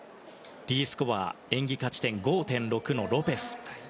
Ｄスコア演技価値点５．６のロペス。